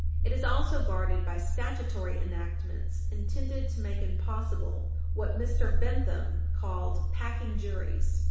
It is also guarded by statutory enactments intended to make impossible what Mr. Bentham called "packing juries."